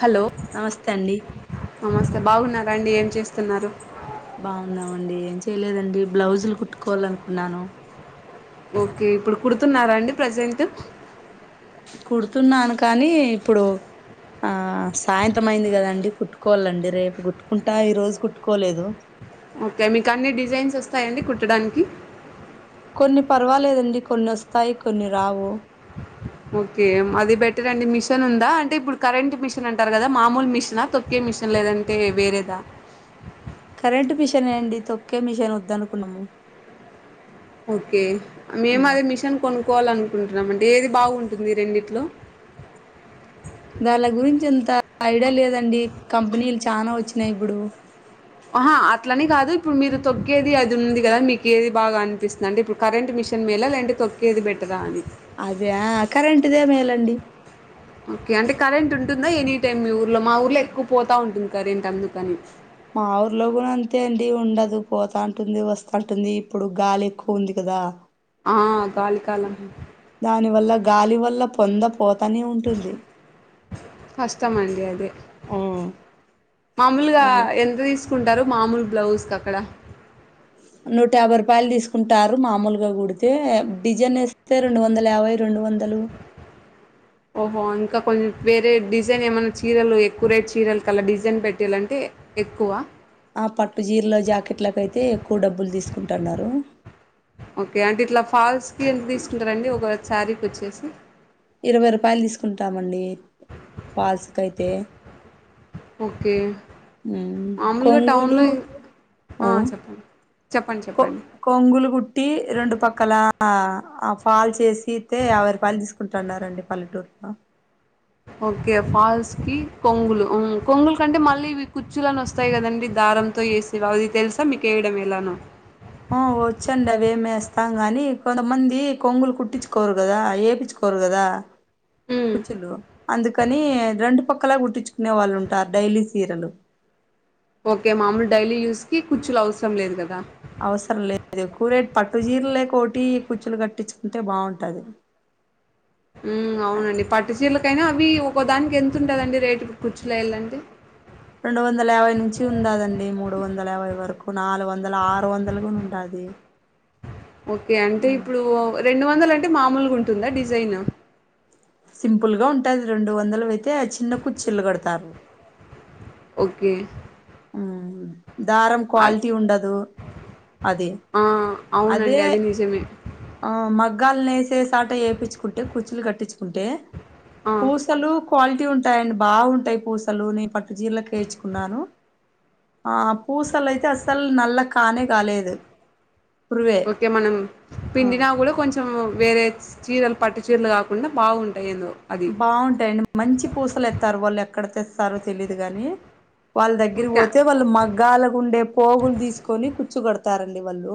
Hello నమస్తే అండి నమస్తే బాగున్నారా అండి ఏం చేస్తున్నారు బావున్నామండి ఏం చేయలేదండి బ్లౌజులు కుట్టుకోవాలి అనుకున్నాను ఓకే ఇప్పుడు కుడుతున్నారా అండి ప్రజెంట్ కుడుతున్నాను కానీ ఇప్పుడు ఆ సాయంత్రం అయింది గదండి కుట్టుకోవాలండి రేపు కుట్టుకుంటా ఈ రోజు కుట్టుకోలేదు ఓకే మీకు అన్ని డిజైన్స్ వస్తాయా అండి కుట్టడానికి కొన్ని పర్వాలేదండి కొన్ని వస్తాయి కొన్ని రావు ఓకే అది బెటర్ అండి మిషన్ ఉందా అంటే ఇప్పుడు కరెంట్ మిషన్ అంటారు గదా మామూలు మిషనా తొ క్కె మిషన్ లేదంటే వేరేదా కరెంట్ మిషనే అండి తొక్కే మిషన్ వద్ద అనుకున్నము ఓకే మేము అది మిషన్ కొనుక్కోవాలి అనుకుంటున్నాము అండి ఏది బావుంటుంది రెండింటిలో గాళ్ళ గురించి అంత ఐడియా లేదండి కంపెనీలు చానా వచ్చినయ్ ఇప్పుడు అహా అట్లని కాదు ఇప్పుడు మీరు తొక్కేది అది ఉంది గదా మీకు ఏది బాగా అనిపిస్తుంది అంటే ఇప్పుడు కరెంట్ మిషన్ మేలా లేదంటే తొక్కేది బెటరా అని అదా కరెంట్దే మేలండి ఓకే అంటే కరెంటుంటుందా ఎనీ టైమ్ మీ ఊర్లో మా ఊర్లో ఎక్కువ పోతా ఉంటుంది కరెంట్ అందుకని మా ఊర్లో గూడ అంతే అండి ఉండదు పోతా ఉంటుంది వస్తా ఉంటుంది ఇప్పుడు గాలి ఎక్కువ ఉంది కదా ఆ గాలి దాని వల్ల గాలి వల్ల పొంద పోతానే ఉంటుంది కష్టం అండి అదె మామూలుగా అదే ఎంత తీసు కుంటరు మామూలు బ్లౌజ్ కి అక్కడ నూట యాబై రూపాయలు తీసుకుంటారు మామూలుగ గుడితే డిజైన్ ఎస్తే రెండు వందల యాభై రెండు వందలు ఓహో ఇంకా కొం వేరే డిజైన్ ఏమన చీరలు ఎక్కువ రేట్ చీరల కలా డిజైన్ పెట్టియాలంటే ఎక్కువా ఆ పట్టు జీరల జాకెట్ల కైతే ఎక్కువ డబ్బులు తీసుకుంటున్నారు ఓకే అంటే ఇట్ల ఫాల్స్ కి ఎంత తీసుకుంటారండి ఒక సారీ కోచ్చేసి ఇరవై రూపాయలు తీసుకుంటామండి పాల్స్ కైతే ఒకే మామలుగా కొంగులు టౌన్లో ఆ చెప్పండి చెప్పండి కొ చెప్పండి కొంగులు కుట్టి రెండు పక్కల పాల్స్ ఎసీతే యాబై రూపాయిల్ తీసు కుంటన్నారండి పల్లెటూరులో ఓకే ఫాల్స్ కి కొంగులు ఉమ్ కొంగులు కంటే మళ్ళీ కుచ్చిలని ఒస్తాయి కదండి దారం తొ ఎసీవా అది తెలుసా మీకు ఎయడం ఎలానో ఆ వచ్చండి అవేమేస్తాం గాని కొంతమంది కొంగులు కుట్టిచ్చుకోరు కదా ఏపిచ్చు కోరు కదా మ్మ్ కుచ్చులు అందుకని రెండు పక్కలా గుట్టించుకునే వాళ్ళు ఉంటారు డైలీ సీరలు ఓకే మామూల్ డైలీ యూస్ కి కుచ్చులు అవసరం లేదు కదా అవసరం లేదు ఎక్కువ రేట్ పట్టు జీర లేకోటి కుచ్చులు కట్టించుకుంటే బాగుంటది ఉమ్ అవునండి పట్టు చీరలకైనా అవి ఒక్కదానికి ఎంతుంటదండి రేటుకి కూచ్చు లేయాలంటే రెండు వందల యాభై నుంచి ఉండాదండి మూడు వందల యాభై వరకు నాలుగు వందల ఆరు వందలు కూడా ఉండాది ఓకే అంటే ఉమ్. ఇప్పుడు రెండు వందలంటే మామూలుగుంటుందా డిజైన్ సింపుల్గా ఉంటది రెండు వందలవైతే ఆ చిన్న కుచ్చిల్లు కడతారు ఒకే ఉమ్. దారం అ క్వాలిటీ ఉండదు అది ఆ అదే అవునండి అది నిజమే ఆ మగ్గాలు నేసేసట యేపిచ్చుకుంటే కుచ్చులు కట్టించుకుంటే ఆ పూసలు క్వాలిటీ ఉంటాయండి బాగుంటాయి పూసలు నేను పట్టు చీరలకు ఏచ్చుకున్నాను ఆ పూసలైతే అసల్ నల్ల కానే కాలేదు పురువే కె మనం పిండినా కూడా కొంచెం వేరే చీరలు పట్టు చీరలు కాకుండా బాగుంటయి ఎందో బాగుంటాయండి మంచి పూసలు ఏత్తర్రు వాళ్ళు ఎక్కడ తెత్తర్రో తెలీదు గాని వాళ్ళ దగ్గరకి ఓకే పోతే వాళ్ళు మగ్గాలగుండే పోగులు తీసుకొని కుచ్చు కడతారండి వాళ్ళు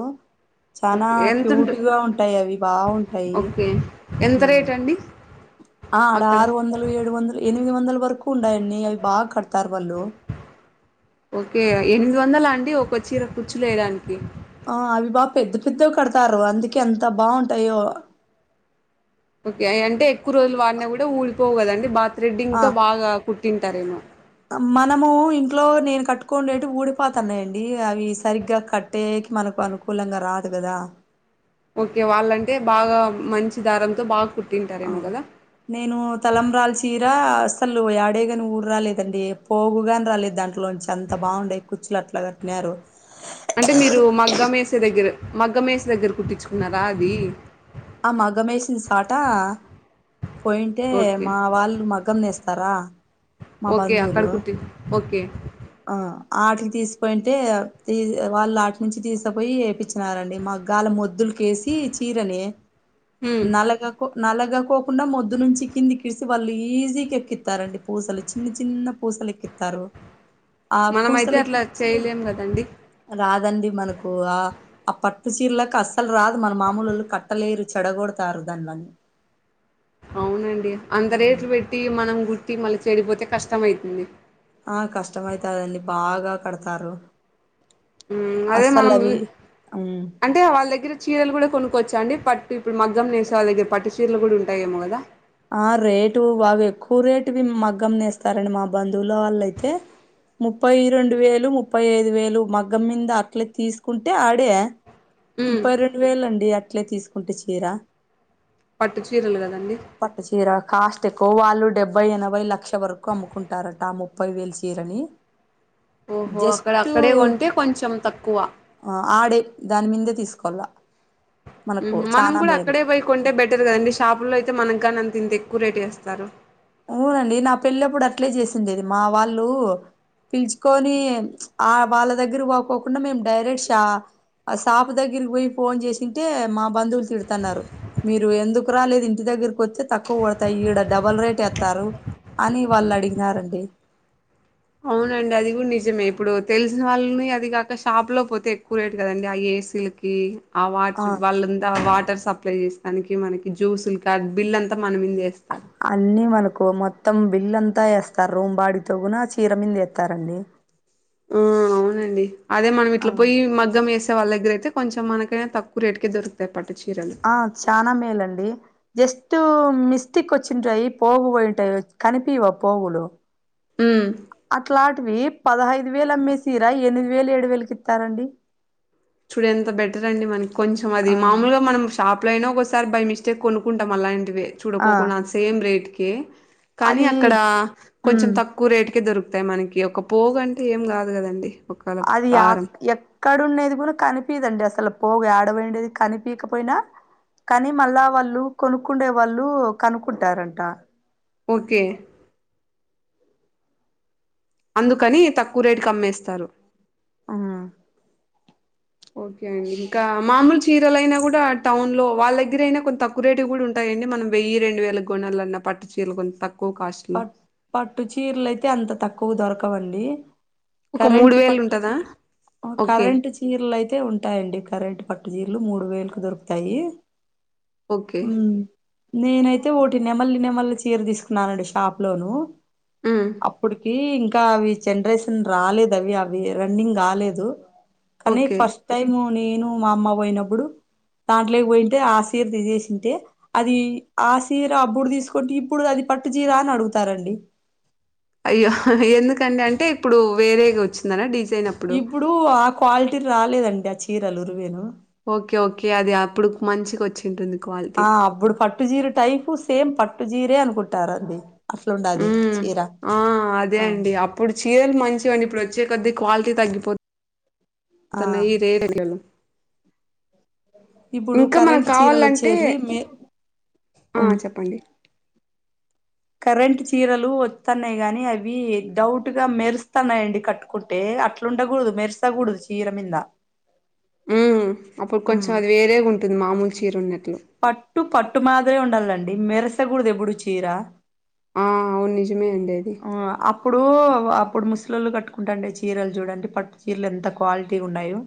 చానా ఓకే ఎంతుంటు క్యూట్ గా ఉంటాయివి బావుంటయి ఓకే ఎంత ఉం రేట్ అండి ఆ ఆడ అక్కడ ఆరు వందలు ఏడు వందలు ఎనిమిది వందల వరకు ఉండాయండి అవి బాగా కడతారు వాళ్ళు ఒకే ఎనిమిది వందలా అండి ఒక చీర కూచ్చులేయడానికి ఆ అవి బాగా పెద్ద పెద్దగ కడతారు అందుకే అంత బాగుంటాయో ఓకే అయ్యంటే ఎక్కువ రోజులు వాడినా కూడా ఊడిపోవు కదండి బాగా థ్రెడింగ్ ఆ తో బాగా కుట్టింటారేమో మనము ఇంట్లో నేను కట్టుకోండేటివి ఊడిపాత న్నాయండి అవి సరిగ్గా కట్ టేకి మనకు అనుకూలంగా రాదు కదా ఓకే వాళ్ళంటే బాగా మంచి దారంతో బాగా ఆ కుట్టింటారేమో కదా నేను తలంబ్రాల చీరా అసలు యాడేగాని ఊడు రాలేదండి పోగుగాని రాలేదు దాంట్లోంచి అంత బాగుండే కుచ్చులట్లా కట్టినారు అంటే మీరు మగ్గ మేసే దగ్గర మగ్గ మేస దగ్గర కుట్టిచ్చుకున్నారా అది ఆ మగ్గం వేసిన చోట పోయింటే ఓకే మా వాళ్ళు మగ్ గ్గం నేస్తారా మా ఓకే అక్కడ బంధువులు కుట్టి ఓకే ఆ ఆటికి తీసిపోయింటే తీ వాళ్ళ అట నుంచి తీసికపోయి ఏపిచ్ రారండి మగ్గాల మొద్దులుకేసి చీరలే హ్మ్. నలగ కో నలగకోకుండా మొద్దు నుంచి కింది కిడిసి వాళ్ళు ఈజీకి ఎక్కిత్తారండి పూసలు చిన్న చిన్న పూసలెక్కిత్తర్రు మనమయితే అట్లా చేయలేం కదండి రాదండి మనకు ఆ ఆ పట్టు చీరలకు అస్సలు రాదు మన మామూలోళ్ల కట్ కట్టలేరు చెడగొడతారు దానిలని అవునండి అంత రేట్లు పెట్టి మనం గుట్టి మళ్ళీ చెడిపోతే కష్టం అయితుంది ఆ కష్టమైతాదండి బాగా కడతారు ఉమ్ అదే మనం గీ అస్సలవి అం ఉమ్ అంటే వాళ్ళ దగ్గర చీరలు కూడా కొనుక్కోచ్చాంమండి పట్టు ఇప్పుడు మగ్గం నేసే వాళ్ళగ్గ పట్టు చీరలు కూడా ఉంటాయేమో కదా ఆ రేటు బాగా ఎక్కువ రేటువి మగ్గమ్ నేస్తారండి మా బంధువుల వాళ్ళయితే ముప్పై రెండు వేలు ముప్పై ఐదు వేలు మగ్గం మింద అట్లే తీసుకుంటే ఆడే యా మ్మ్ ముప్పై రెండు వేలండి అట్లే తీసుకుంటే చీర పట్టు చీరలు కదండి పట్టు చీర కాస్ట్ ఎక్కువ వాళ్ళు డెబ్బై ఎనభై లక్ష వరకు అమ్ముకుంటారట ఆ ముప్పై వేల చీరని ఓహో అక్కడ అక్కడే కొంటే కొంచెం తక్కువ ఆ ఆడే దాని మీందే తీసుకోవాల మనకు మనం చానా కూడా మేలు అక్కడే పోయి కొంటే బెటర్ కదండి షాపుల్లో అయితే మనకు కానీ అంత ఇంత ఎక్కువ రేట్ ఏస్తారు అవునండి నా పెళ్ళప్పుడు అట్లే చేసిందేది మా వాళ్ళు పిలుచుకొని ఆ వాళ్ళ దగ్గర పోకోకుండా మేము డైరెక్ట్ షా ఆ సాపు దగ్గరికి పోయి ఫోన్ చేసింటే మా బంధువులు తిడుతన్నారు మీరు ఎందుకు రాలేదు ఇంటి దగ్గరకి వత్తే తక్కువ పడతాయి ఈడ డబల్ రేట్ యాత్ తారు అని వాళ్ళు అడిగినారండి అవునండి అది కూడా నిజమే ఇప్పుడు తెలిసిన వాళ్ళని అదీ గాక షాప్ లో పోతే ఎక్కువ రేట్ కదండి ఆ ఏ సీ లు కి ఆ వాచ్ వాళ్ళంతా వాటర్ సప్ ప్లై చేసిన దానికి మనకి జ్యూసులు కార్ బిల్ అంతా మనమిందేస్తా అన్నీ మనకు మొత్తం బిల్ అంతా ఏస్తారు రూమ్ బాడిగతో గూనా చీర మింద ఎత్తారండి ఊ అవు అండి అదే మనం ఆ ఇట్లా పోయి మగ్గం వేసే అవునండి మనం ఇట్ల పొయ్యి మగ్గం వేసే వాళ్ళ దగ్గర అయితే కొంచం మనకైనా తక్కువ రేటుకే దొరుకుతాయి పట్టు చీరలు ఆ చానా మేలండి జస్ట్ మిస్టేక్ వచ్చింటాయి పోగు పోయింటాయి కనిపియ్యవి ఆ పోగులు ఊమ్ అట్లాటివి పదహైదు వేలు అమ్మే సీర ఎనిమిది వేలు ఏడు వేలుకి ఇత్తారండి చూడు ఎంత బెటర్ అండి మనకి కొంచెం అది ఆ మామూలుగా మనం తాప్లో అయినా ఒకసారి బై మిస్టేక్ కొనుక్కుంటాం అలాంటివి ఆ చూడకోకుండా సేమ్ రేట్కి కానీ అది అక్కడ కొంచెం ఉమ్ తక్కువ రేటుకే దొరుకుతాయి మనకి ఒక పోగు అంటే ఏం గాదు గదండి అది ఆక్ ఎక్ కడు ఉండేది కూడా కనిపీదండి అసలు పోగు యాడ పోయిండేది కనిపీకపోయినా కానీ మళ్ళా వాళ్ళు కొనుక్కుండే వాళ్ళు కనుక్కుంటారంట ఓకే అందుకని తక్కువ రేటుకి అమ్మేస్తారు అం ఓకే అండి ఇంకా మామూలు చీరలయినా కూడా టౌన్ లో వాళ్ళ దగ్గర అయినా కొంత కువ రేటువి కూడా ఉంటాయండి మనం వెయ్యి రెండు వేలకు కొనాలన్నా పట్లు చీరలు కొంత తక్కువ కాస్ట్ లో పట్ పట్టు చీరలయితే అంత తక్కువ దొరకవండి ఒక మూడు కరెంట్ వేలు పట్టు ఉంటదా చీర్ ఆ ఓకే కరెంట్ చీ చీరలు అయితే ఉంటాయండి కరెంట్ పట్టు చీరలు మూడు వేలకు దొరుకుతాయి ఓకే ఉమ్ నేనైతే ఒకటి నెమల్లి నెమల్లి చీర తీసుకున్నానండి టాప్లో నూ ఊ ప్పటికి ఇంకా అవి జనరేషన్ రాలేదు అవి అవి రన్నింగ్ రాలేదు కానీ ఓకే ఫస్ట్ టైము నేను మా అమ్మ పోయినప్పుడు దాంట్లోకి పోయింటే ఆ శీర్ తీసేసింటే అది ఆ సీర అబ్బుడు తీసుకుంటే ఇప్పుడు అది పట్టు చీరా అని అడుగుతారండి అయ్యో ఎందుకండి అంటే ఇప్పుడు వేరేగా వచ్చింది అనా డిజైన్ అప్పుడు కూ ఆ క్వాలిటీ రాలేదండి ఆ చీరలు ఉరువేను ఓకే ఓకే అది అప్పుడు మంచికి వచ్చింటుంది క్వాలిటీ ఆ అప్పుడు పట్టు జీర టైపు సేమ్ పట్టు జీరే అనుకుంటారండి అట్లుండాది ఉమ్ చీర ఆ అదే ఆ అండి అప్పుడు చీరలు మంచివండి ఇప్పుడు వచ్చే కొద్దీ క్వాలిటీ తగ్గిపో ఆ [unintelligible] ఇప్పుడు ఇంక మనకు కరెంట్ చీరలు కావాలంటే వచ్చేటివి మే ఆ చెప్పండి కరెంట్ చీరలు వత్తన్నాయి గానీ అవి డౌట్ గా మెరుస్తన్నాయండి కట్టు కుంటే అట్లు ఉండకూడదు మెరుసకూడదు చీర మింద ఊమ్ అప్పుడు ఉమ్ కొంచెం వేరేగుంటుంది మామూలు చీర ఉన్నట్లే పట్టు పట్టు మాదిరే ఉండాలండి మెరసకూడ కూడా దేడు చీర ఆ అవును నిజమే అండి అది ఇప్పుడు అప్పుడు ముసలిళ్ళు కట్టుకుంటాండే చీరలు చూడండి పట్టు చీరలు ఎంత క్వాలిటీ ఉన్నాయేవో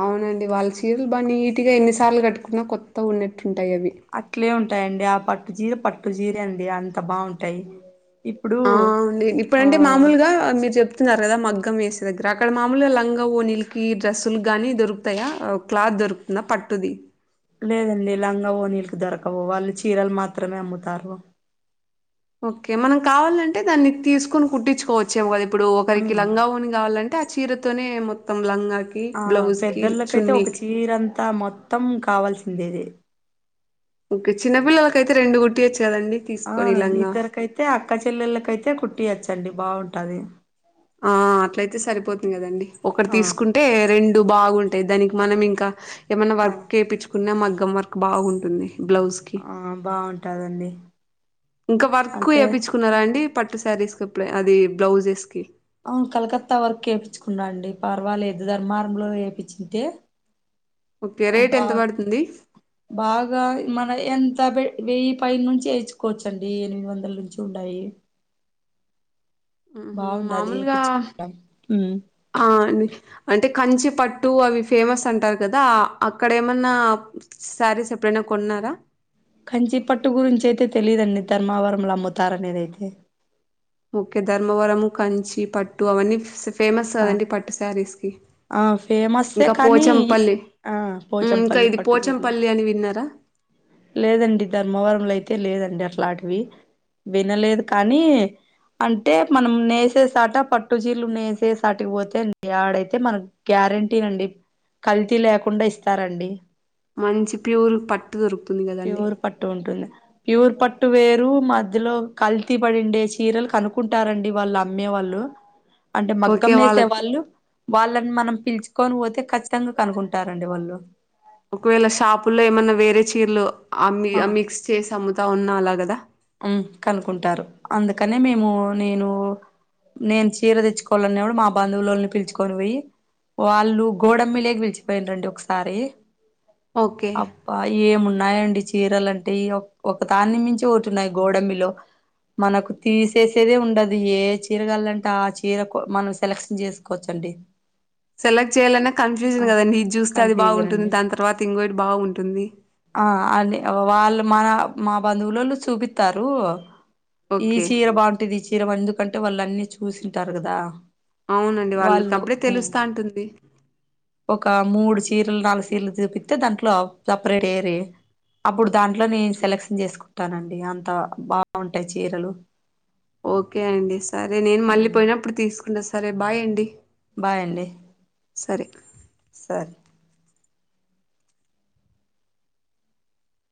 అవునండి వాళ్ళ చీరలు బాగా నీట్ గా ఎన్నిసార్లు కట్టుకున్నా కొత్తగా ఉన్నట్టుంటాయి అవి అట్లే ఉంటాయండి ఆ పట్టు జీర పట్టు జీరే అండి అంత బావుంటాయి ఆ అండి ఇప్పుడంటే మాములుగా మీరు చెప్ న్నారు కదా మగ్గం వేసే దగ్గర అక్కడ మామూలుగా లంగా ఓనిలికి డ్రస్సులు కానీ దొరుకుతాయా క్లాత్ దొరుకుతయి నా పట్టుది లేదండి లంగా వోణీలకి దొరకవు వాళ్ళు చీరలు మాత్రమే అమ్ముతారు ఓకే మనం కావాలంటే దాన్ని తీసుకుని కుట్టించుకోవచ్చేమో కదా ఇప్పుడు ఒకరికి ఉమ్ లంగా వోణీ కావాలంటే అంటే ఆ చీరతోనే మొత్తం లంగా ఆ పెద్దొల్లకైతే ఒక చీరంతా మొత్తం కావాల్సిందే ఇది ఓకే చిన్నపిల్లలకైతే రెండు కుట్టియొచ్చు కదా అండి తీసుకొని లంగా అయితే అక్క చెల్లెల కైతే కుట్టియచండి బావుటది ఆ అట్లయితే సరిపోతుంది కదండి ఒకటి ఆ తీసుకుం టే రెండు బాగుంటాయి దానికి మనం ఇంకా ఏమైన్నా ఆ వర్క్ చేయించుకున్నా మగ్గం వర్క్ బావుంటుంది బ్లౌజ్ ఆ బావుంటాది అండి ఇంకా వర్క్ వేపిచుకున్నారా అండి పట్టు సారీస్ కి ఎపుడు అయినా అది బ్లౌజెస్ కి అవును కలకత్తా వర్క్ ఏపిచ్చుకున్నా అండి పర్వాలేదు ధర్మార్ లో వేయిపిచ్చుంటే ఓకే రేట్ ఎంత పడుతుంది బాగా మన ఎంత వెయ్యి పై నుంచి వేయిచుకోవచ్చండి ఎనిమిది వందల నుంచి ఉన్నాయి ఉమ్ బాగుండది మామూలుగా ఏపిచ్చుకోవడం ఉమ్ ఆ అండి అంటే కంచి పట్టు అవి ఫేమస్ అంటారు కదా అక్కడ ఏమన్నా సారీస్ ఎప్పుడైనా కొన్నారా కంచి పట్టు గురించి అయితే తెలీదండి ధర్మావరములో అమ్ముతారునేది ఓకే ధర్మవరము కంచి పట్టు అవన్నీ ఫేమస్ కాద ఆ అండి పట్టు సారీస్ కి ఆ ఫేమస్ ఏ ఇంకా కానీ పోచంపల్లి ఆ ఉమ్, ఇంకా పోచంపల్లి ఇది పట్టు చీరలు పోచంపల్లి అని విన్నారా లేదండి ధర్మవరంలో అయితే లేదండి అట్లాంటివి వినలేదు కానీ అంటే మనం నేసేసాట పట్టు చీరలు నేసేసాటికి పోతే ఆడే అయితే మనకు గ్యారెంటీ నుండి కల్తీ లేకుండా ఇస్తారండి మంచి ప్యూర్ పట్టు దొరుకుతుంది కదండి ప్యూర్ పట్టు ఉంటుంది ప్యూర్ పట్టు వేరు మధ్యలో కల్తీ పడిండే చీరలు కనుకుంటారండి వాళ్ళు అమ్మే వాళ్ళు అంటే మగ్గం ఓకే నేసే వాళ్ళకి వాళ్ళు వాళ్ళను మనం పిలుచుకొని పోతే ఖచ్చితంగా కనుకుంటారండి వాళ్ళు ఒకవేళ షాపుల్లో ఏమైన్నా వేరే చీరలు ఆ మిక్స్ చేసి అమ్ముతా ఉన్నా అలాగదా ఉమ్ కనుకుంటారు అందుకనే మేము నేను నేను చీర తెచ్చుకోవాలన్నాప్పుడు మా బంధువులని పిలుచుకొని పోయి వాళ్ళు గోడమ్మి లేక పిలుచుకుపోయారు రండి ఒకసారి ఓకే అబ్బా ఏమున్నాయండి చీరలుంటే ఈ ఒక దాన్ని మించి ఒకోటి ఉన్నాయి గోడమిలో మనకు తీసేసేదే ఉండదు ఏ చీరగాలంటే ఆ చీర మనం సెలక్షన్ చేసుకోవచ్చండి సెలెక్ట్ చేయాలన్నా కన్ఫ్యూషన్ ఆ కదండి ఇది చూస్తే అది కన్ఫ్యూజన్ బావుంటుంది అండి దాని తర్వాత ఇంకోటి బావుంటుంది ఆ అది వాళ్ళు మన మా బంధువులోళ్ళు చూపిస్తారు ఈ ఓకే చీర బావుంటాది ఈ చీర ఎందుకంటే వాళ్ళు అన్ని చూసింటారు కదా అవునండి వాళ్ళు వాళ్ళకప్పుడే ఉమ్ తెలుస్తాంటుంది ఒక మూడు చీరలు నాలుగు చీరలు చూపిస్తే దాంట్లో సపరేట్ ఏరి అప్పుడు దాంట్లో నేను సెలెక్షన్ చేసుకుంటానండి అంత బాగుంటాయి చీరలు ఓకే అండి సరే నేను మళ్ళీ ఉమ్ పోయినప్పుడు తీసుకుంటా సరే బాయ్ అండి బాయ్ అండి సరే సరే